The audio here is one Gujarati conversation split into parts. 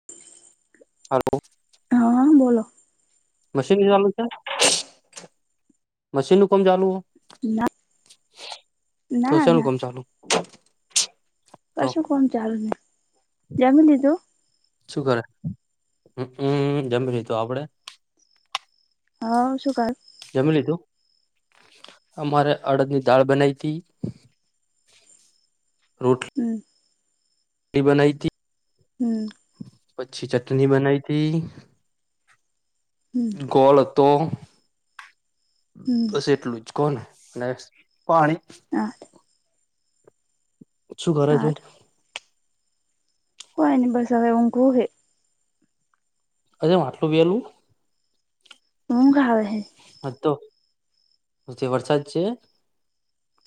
[inaudible] હલો હા બોલો [inaudible] મશીન ચાલુ છે મશીન નું કામ ચાલુ હો. ના [inaudible] તો ના શેનું ના. કામ ચાલુ તો પાશું કોમ ચાલુને જમ લી તું. શું કરે હમ જમીહી તો આપડે. હા શું કર. જમી લીધું અમારે અડદ ની દાળ બનાવી હતી. [inaudible] રોટ. હમ. બનાઈ હતીથી. હમ. પછી ચટણી બનાઈ હતીથી. હમ. ગોળ હતો. હમ. બસ એટલું જ કોને અને પાણી. હા. શું કરે છે. સારું કોન બસ હવે હું કહું કે. અરે માટલો બલું. હું ખા હા તો જે વરસાદ છે.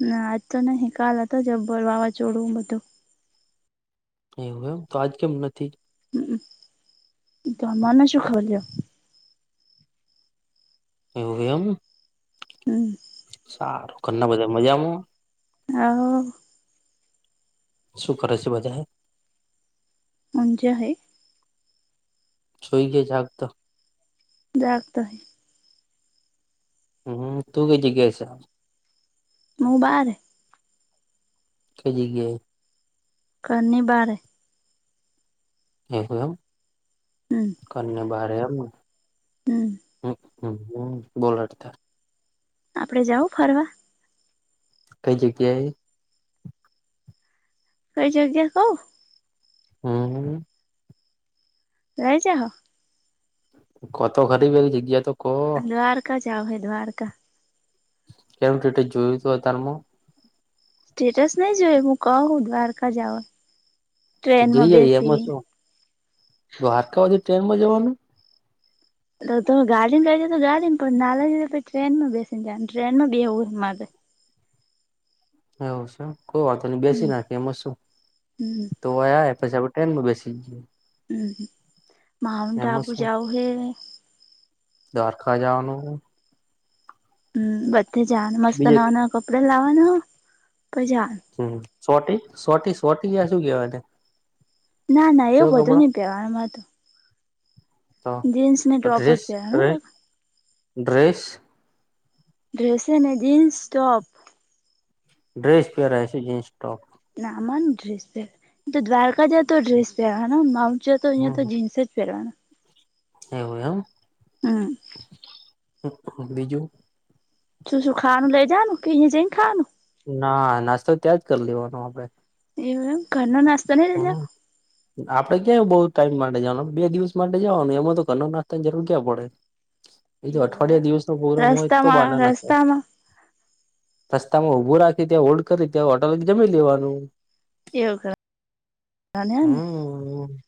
ના આજ તો નહી કાલ હતો જબર વાવા ચોડું બધું. એવું એમ તો આજ કેમ નથી. હમ તો મના સુુંખવલ્યો. એુંયમ. હમ. સારું ઘરના બધા મજામાં. [inaudible] શું કરે છે બજા. હજાય. જોઈ કે જક તો. જક તો. હમ તું ક જી કે છે. મોબાર. [unintelligible] કરની બાત. [unintelligible] હમ્મ. ને બારે એમ બોલતા. આપડે જાઉ ફરવા કઈ જગ્યાએ. ક જો અગ્યા કો. હમ્મ. રહીજા હો. કતો ખરીબ એ જગ્યા તો કો દ્વારકા જાઓ હૈ દ્વારકા. કેમું રીતેર જોયું હતું અ તારમાં સ્ટેટસ નહી જોઈ હું ક દ્વારકા જાવ તો જઈ ટ્રેનમાં જઈ બેસી એમાં શું દ્વારકામાંથી ટ્રેન માં જવાનું તમે ગાડી ને કરીજ તો ગાડી ને પણ ના લગ પ ટ્રેન માં બેસીને જાયને ટ્રેનમાં બ બે એવું મારે એવ સર કોઈ વાતો નહી બેસી હમ નાખી એમાં શું હમ તો આયા એ પછસેણે ટ્રેનમાં બેસી લીઈએ હમ માઉન્ટ એમાં આબુ જાઉ હ દ્વાકાજનું હમ બધે જાન મસ્ત બીજે નવા નવા કપડા લાવવાના પ જાન હમ સોટી સોટી સોટી ગયા શું કેવાય ના ના એવું કેવો બધું કપડો નહી પહેવામાં તો તો જીન્સ ને તો ટોપ જ ડ્રેસ ડ પહેરવાનું હો ડ્રેસ ડ્રેસે અનેને જીન્સ ટોપ ડ્રેસ પહે રાય છે જીન્સ ટોપ નાર ડ્રેસ પે તો દ્વાકા જ તો ડ્રેસ પે માઉન્ટ જો તો તયા તો હમ જિન્સ જ પરાવના એવું એમ હમ બીજું શું શું ખાવાનું લઈ જનું કેહી જઈને ખવાનું ના નાસ્તા ત્યાં જ કરી લેવાનું આપડે એમ ઘર ન નાસ્તો ને હ તજ આપડે કય બઉુ ટાઈમ માટે જવાનું બે દિવસ માટે જવાનું એમાં તો ઘર નાસ્તાની જરૂર્યા પડે એ તો એવું હોય અઠવાડિયા એમ દિવસ ન પોરમ હોય તો રસ્તામાં બાના નાખ રસ્તામાં રસ્તા માં ઉઊભું રાખી ત્યાં હોલ્ડ કરી ત્યાં હોટલ જમી લેવાનું એવું કર ને હમ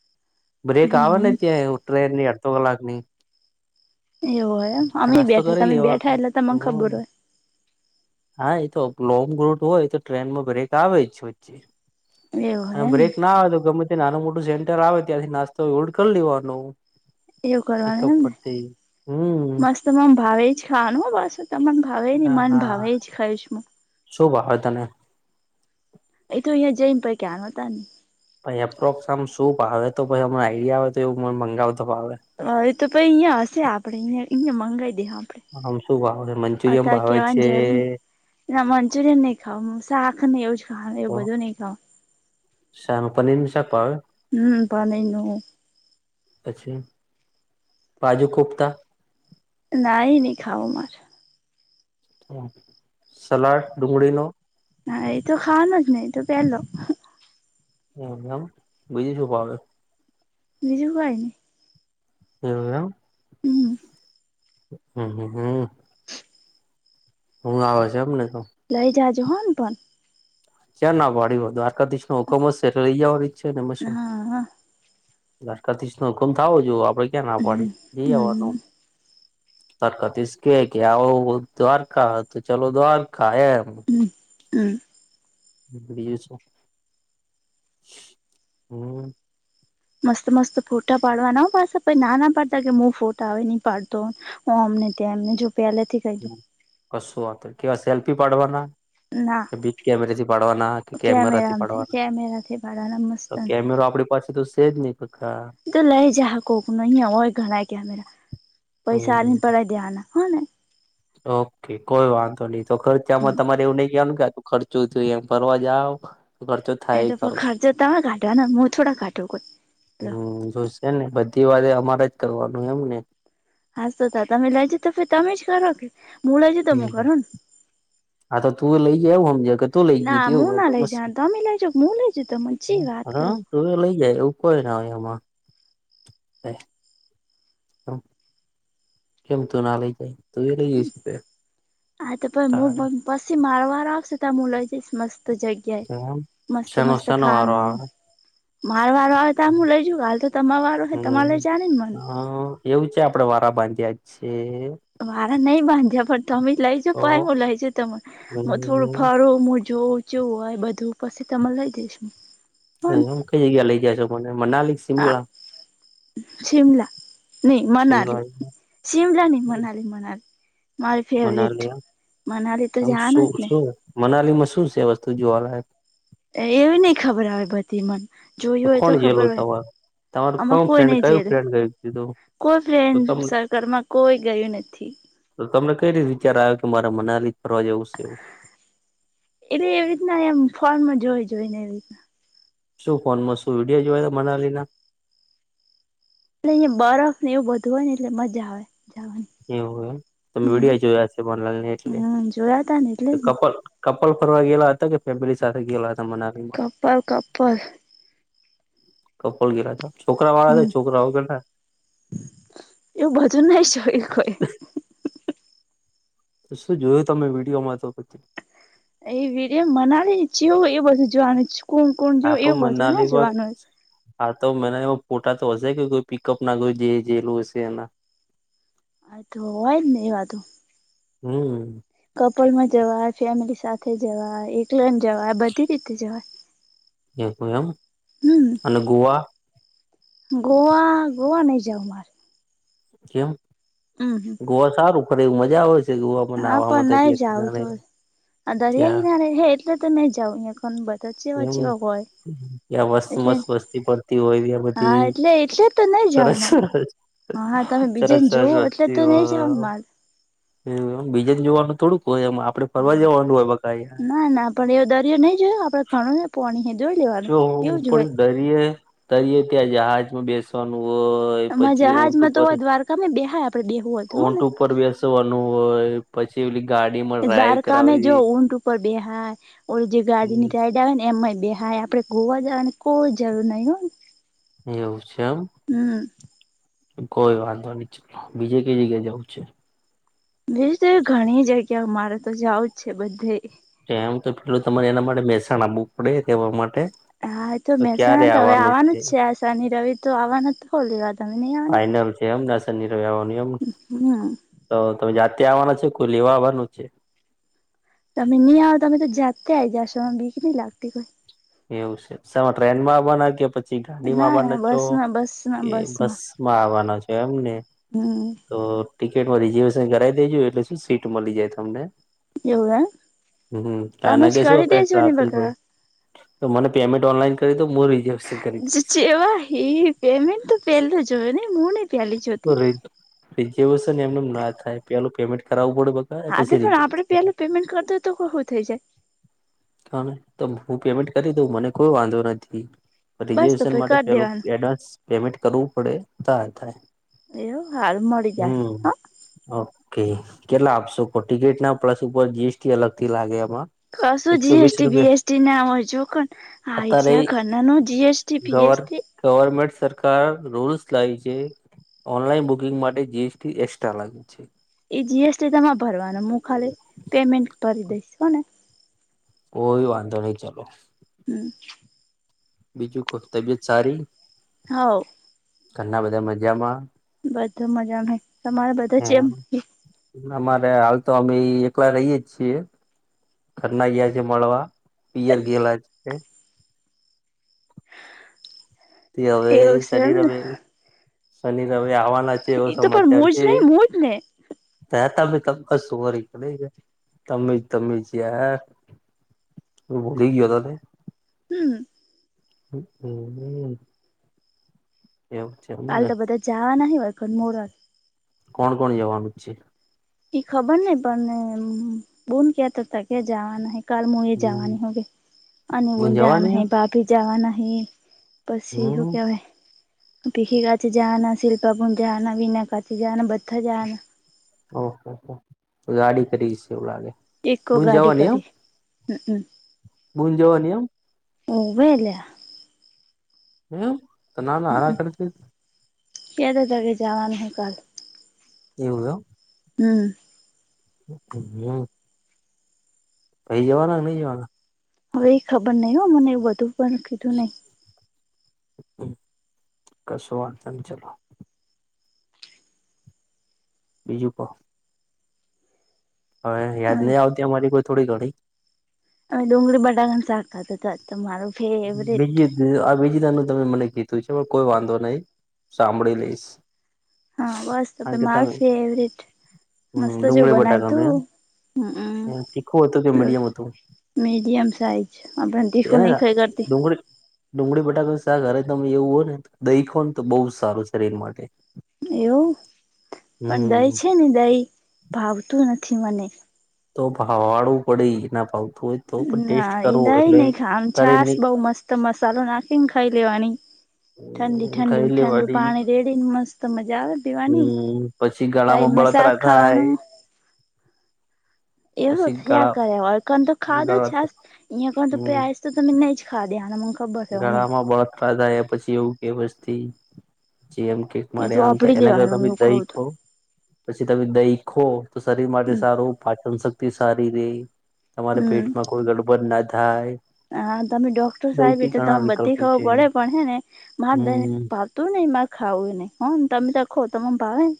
બ્રેક આવે ને હમ ત્યાં ટ્રેનની અડધો કલાકની એવું હોય એમ ત્યા અમે નાસ્તો બેઠા કરી તમે લેવા બેઠા એટલે તમને ખબર હ હા એ તો લોંગ રૂટ હોય તો ટ્રેનમાં બ્રેક આવે જ વચ્ચે હોય એવું હોય અને એમને બ્રેક ના આવે તો ગમે તે નાનું મોટું સેન્ટર આવે ત્યાંથી નાસ્તો હલડ કરી લેવાનું એવું પિક પતી હમ તમામ ભાવે જ ખાવાનું હો બસ તમામને ભાવેને મને ભાવે જ ખાઈશ હું શુંભાવ તને એ તો ત્યાં જૈમ પૈ કે આાલતા ભછ એપ્રોક્સ આમ શું ભાવે તો અ આઈડિયા આવે તો એવું મને મંગાવ તો ભાવે હ એ તો પ અહીંયા હશે આપડેયા અયા મગાવી દે આપડે આમ શું ભાવે છે મંચુરિયમ અતાર ભાવે કેવાની છે જરૂર ને ના મંચુરીયન નઈ ખાાવું શાક નઈ આવઉ છ ખા એવ તો બધું નહી ખાાવ શાક પનીરનું શાક ભાવે હમ પણ ન ન પછી બાજુકોફ્તા નહી ન ખાાવ માર સલાડ ડુંગળી ન હ એ તો ખાવાનો જને એ તો પલો હ એમ બીજું શુંપાવે બીજું હોવાયને એવું એમ હમ હમ્મ હમ્મ હ હું આવે છે. એમને તો લઈ જાજ હોન પણ ક્યાં ના ભડી દ્વારકાધીશ નો હુકમ જ છે એટલે લઈવાળી છેને. હા હા લાશ્કરથી હુકુમ થાવજો. આપડે ક્યાં ના પાડી હમ છે. જઈ આવાનું. હમ તરકાતસકે કે આ દ્વારકા તો ચાલો દ્વારકા એમ હમ્મ બીએ છે, હમ. મસ્ત મસ્ત ફોટા પાડવાના મસ્ત પણ નાના પાડતા કે હું ફોટા આવે નઈ પાડતો. હ અમને ત્યાં એમને જો પેલેથી જ કશું વાત, કેવા સેલ્ફી પાડવાના. દઉં ના કે બીગ કેમેરેથી પાડવાના કે, કેમેરાથી પાડવાના કેમેરો આપણી પાસે તો છેજ, નહી કકા. તો લઈ જા હાકો ન હોય ઘણા ક્યારે પૈસાને હમ પડે ધ્યાના હ ને. ઓકે. કોઈ વાંધો નહીં તો ખર્ચામાં હમ તમારે એવું નઈ કવાનું ક્યાત- ખર્ચું થયું. એમ ફરવા જાવ. તો ખર્ચો એ થાય તો પણ કરો ખર્ચ તમે ઘાટો હ ન મો થોડા ઘટો કોઈ લ [unintelligible] એ ને બધી વારે અમારે જ કરવાનું એમને. હસતા તો તમે લેજો તો તમે જ કરો કે હું લેજે તો હું હમ કરોને. હા, તો તું એ લઈ જવ હમ જગત [unintelligible] તો ના હું ના લઈ જા તમે લઈ જાવ હું લઈ જઉ તમે ચી વાત કરો એ લઈ જાય એવું કોઈને એમા હા [unintelligible] કેમ તું ના લઈ જાય. તું એ લઈ જઈ શકે હા, તો પહી તારે હું પછી મારો વારો આવશે ત્યાં હું લઇ જઈશ મસ્ત જગ્યા તો એમ મસ્ત શેનો મસ્ત શેનો વારો ખાવાનું. આવે મારે વારો આવે તો હું લઈ જઉ કાલ તો તમાર વારો હો, તમારે લઈ જા ને મન. હ. એવું છે, આપડે વારા બાંધ્યા છેએ. મારા નહી બાંધ્યા પણ તમે જ લઈજો તો પણ હું લઈજ તમે. હ થોડું હમ ફાળું હું જોવુ [unintelligible] હોય બધું પછી તમે લઈ દઈશુ હ હમ કઈ જગ્યા લઇ જ છો મને મનાલિક હા, શિમલા. નહી શિમલા મનાલી. શિમલા નહી મનાલી મારી ફેવરેટ, મનાલી એમ. મનાલી તો આમ શું જાવાનું જ ને. શું મનાલીમાં શું છે. વસ્તુ જોવાલાયક? એવી નહી ખબર આવે. બધી મને તો કોણ ગયેલું તમારે, તમારું આમાં કોણ કોઈ ફ્રેન્ડ નઈ કયું જે ફ્રેન્ડ કીધું. કોઈ તો ફ્રેન્ડ તમ સર્કલમાં કોઈ ગયું નથી. તો તમને કઈ રીતે વિચાર આવ્યો કે, મારે મનાલી ફરવા જેવું છે. એવું. એટલે એવી રીતના એમ ફોર્નમાં જોઈ, જોઈ ને એવી રીતના. શું ફોનમાં શું? વિડીયો જોયા તમે મનાલીના એટલે અહયા બરફને એવું, બધું હોયને એટલે મજા આવે જવાની. એવું એમ તમે હમ વિીડીયો જોયા છે. બનલાલને એટલે હમ જોયા તા ને એટલે જ ને કપલ. કપલ ફરવા ગયેલા હતા કે ફેમિલી સાથે ગયેલા હતા મનાલી. Couple couple. કપોલ ગેયલા હતા. છોકરાવાળા હમ છે, કે છોકરાઓ વગરના. એવું ભજન નઈ જોઈ કોઈ. શું જોયું તમે વિડીયોમાં તો પછી એ વિડીયો મનાલી જેવું એ બધું જોવાનું કોણ કોણ જો આ તો એવું બધુંને મનાલીમાં જોવાનું. હા, તો મને એમાં ફોટા તો હશે કે કોઈ પિકઅપના કોઈ જે જેેલું હશે એના. હ, તો હોય ને એવાતો. હમ. કપલમાં જવાય છે. ફેમિલી સાથે જવાય, એકલા જવાય, બધી રીતે જવાય. એ એમ અને ગોવા. ગવા ગવા નહી જાઓ માર. કેમ. હમ ગોવા સારું કરે એવું મજા આવે છે. ગોવામાં હા નાહવામાં પણ નઈ દરિયા જાાવ કિનારે તો દરિયા ત્યાં કિનારે હે એટલે તો મે જાવં અહં કો બ. સાચી વાતી એમ વાકોય. ત્યાં મસ્ત મસ્ત વસ્તી પડતી હોય ત્યા હા બધી એટલે એટલે તો નઈ જાવ સરસ માર સરસ. હા તમે સરસ બીજાને જુઓ સરસ એટલે વસ્તી તો હો. નઈ જાવ માર એમ બીજે જ જોવાનું થોડુંક હોય એમ આપડે ફરવા જવાનું હોય બ. ના ના પણ એવો દરિયો નહી જોયો આપડે ઘણું ને પોણી જોોઈ લેવાનું એવું જ હોય. દરયે દરીયે ત્યાં જહાજમાં બેસવાનું હોય પછી ઉર્દું પર. તમે બેહાય આપડે દ. ઓટ ઉપર બેસવાનું હોય પછી એલી ગાડી. દ્વારકામે જો ઊંટ ઉપર બે હાૈ ઓ જે ગાડી નીટઇડ. આવે ને એમમાંય બેહાય આપડે ગોવા જવાની કોઈ જરૂર નહીં હોય ને. એવું છે એમ. હમ. કોઈ વાંધો નની બીજે કઈ જગ્યા જવું છે. ભીજ તો ઘણી જગ્યા મારે તો જાવ જ છે, બધે. એમ તો પેલું તમારે એના માટે મહેસાણ આપવું પડે તેવા માટે. હા તો મહેસાણા તો હવે આવવાનું જ છે, આ શનિ રવિ તો આવવાનું જ ખો લેવા તમે ન. ફાઈનલ છે, એમ દશન ની રવાની એમ. હમ તો તમે જાતે આવવાના છે, કોઈ લેવા આવવાનું છે. તમે ન આવ તમે તો જાતે આ જશોમાં બીક નઈ લાગતી કોઈ. એવું છે, સામે ટ્રેનમાં બના કે પછી. પછી કોઈ ગાડીમાં ના ના આવવાના છો બસ માં બસ માં કે બસ માં આવવાના છો એમને. હમ તો ટિકિટમાં રીઝર્વેશન કરાવી દેજો એટલે શું સીટ મળી જાય તમને. એવું એમ હ તમે આના કે જ શું કરી દેજો ને ટ્રાફિક બકા હોય. તો મને પેમેન્ટ ઓનલાઈન કરી તો હું રિઝર્વશન. જેવા હ પેમેન્ટ તો પહેલો જો હો ન મ. રિઝર્વેશન એમનેમ ના થાય પેલું પેમેન્ટ કરાવવું પડે બકા હા તો પછી પણ આપડે રિઝર્વેશન પેલું પેમેન્ટ કર દ હોય તો કું થઈ જાય. તો હું પેમેન્ટ કરી દઉં મને કોઈ વાંધો નથી. બસ તો રીઝર્વેશન પહી માટે કરી પેલ દેવાનું એડવાન્સ પેમેન્ટ કરવું પડે થ થાય. એવ હાલ મળી જશે. હમ હ ઓકે કેટલા આપશો કો ટિકિટ ના પ્લસ ઉપર જીએસટી અલગ થી લાગે એમાં. કશું એકસો જી વીસ એસટી રૂપિયા બીએસટી નામ હોય છેું. આ અત્યારે છે્યા ખનનું જી એસટીી ફી ગવર્મેન્ટ સરકાર રૂલ્સ લાવ છે. ઓનલાઈન બુકિંગ માટે જી એસ ટી એસ્ટ્રા લાગે છે. એ જી એસ ટી તમાંર ભરવાનું, મું ખાલી પેમેન્ટ ભરી દઈસ, હ ને? કોઈ વાંધો નહી ચાલો. હમ્મ. બીજું કો, તબિયત સારી? હઓ. ઘરના બધા મજામાં? બધા મજામા. તમારા બધા ચેમ અમારે હાલ તો અમેઇ એકવાર રહીયે જ છીએ. ઘરના ગ્યા છે મળવા, પિયર ગેલા છે. થી હવે એવું છે શનિ એમને રવે, શનિ રવે આવાનાજ ચેવો એ તો પણ સમાચાર મોજ છે, નહી મોજ ને ત હતા તમેં સુવોરી [unintelligible] તમે જ તમે જ યાર, હુ ભૂલી ગ્યોતો ને? હમ્મ. હ હમ્મ. એવ કાલ તો બધા જાવાના હે [unintelligible] મોરત કોણ કોણ જવાનું જ છે? ઈ ખબર નહીં પણને બોન કેતો તા કે જાવાને હિ. કાલ મુ એ જવાની હોગે અને બુન ઉન જવાના જવાની હે, ભાભી જવાના હે. પછી હું હમ કેવાય? પીહિક આજે જાવના, શિલ્પાપુંધ જવાના, વિના કાકી જવાના, બધા જવાના. ઓ હો હો! ગાડી કરીશ એવું લાગે. એકો બુન ગાડી કરી. હમ્મ. બૂન જવાની એમ? ઓવે લ્યા. એમ, તો ના ના હારા કળતી. ક્યારે તગે જવાનું હે કાલ. એવું એમ? હમ્મ. હમ્મ. ભઈ જવાના કે નઈ જવાના? હવે એ ખબર નઈ હો મને એવું બધું, પણ કીધું નઈ. કશું વાંધો ની ચલો. બીજું કો? હવે યાદ અમે નહી આવતી અમારી કોઈ થોડી ઘણી? અમે ડુંગળી બટાકાનું શાક ખાતું આજ તો મારું ફેવરેટ બીજી દ આ બીજી તાનું તમે મને કીધું છે, પણ કોઈ વાંધો નહી, સાંભળી લઈશ. હા, બસ તો તો કારણ કે તમે મારું ફેવરિટ. હમ મસ્ત ડુંગળી જેવું બનાયુ બટાકાનું એમ તું. હમ્મ, તીખું હતું કે ર મીડિયમ હતું મીડિયમ સાઇજ, આપણ તીખું એને નઈ ખાઈ ગ ડુંગળી ડુંગળી બટાકાનું શાક હરે તમે એવું હો ને, દઈ ખઉન તો બઉ સારું સરીર માટે. એવું? પણ દહી હમ છે ને દઈ, ભાવતું નથી મને. તો ભાવાડવુ પડે ના ભાવ ના, ઇ દઈ નહી ખાવાનું, છાસ શરીરની બઉ મસ્ત મસાલો નાખીન ખાઈ લેવાની. ઠંડી હમ્મ ઠંડી ખાઈ ઠંડુ લેવાની પાણી રેડીન મસ્ત મજા આવે પીવાની. હમ પછી ગળામાં સાઈદમાં બળતરા શાક ખાવાનું. થાય એહું પછી થયા ગળા કરે ઓડકોણ તો ખાદો ગળા છાસ, ઈયા કોને તો હમ પેયાસ તો તમે નઈ જ ખાદી [unintelligible] મ ગળામાં બતરા થાય પછી એવું કે વસ્તી જેમ કે એ મારે આમ તો વાપરી એના લેવાનું કર એવું ત કઉ તો દઈખો પછી તમે દહી ખો તો શરીર માટે હમ સારું પાચન શક્તિ સારી રેય તમારા હમ પેટમાં કોઈ ગડબડ ના થાય. હા તમે ડોક્ટર સાહેબ દહીથી એટલે ત ઘણા બધી વિકલ્પ ખ છે પડે પણ હે ને હમ મા હતું નને મારે ખાવું એ નહી હને તમે તોખો તમામ ભાવે